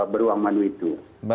beruang mandu itu